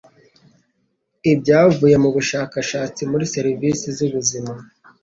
ibyavuye mu bushakashatsi muri serivisi z ubuzima